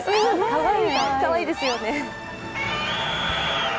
かわいいですよね。